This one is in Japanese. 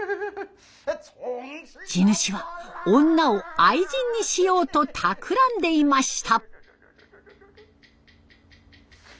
地主は女を愛人にしようとたくらんでいました。